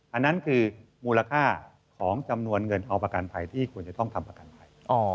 อันนั้นคือมูลค่าของจำนวนเงินเอาประกันภัยที่ควรจะต้องทำประกันภัย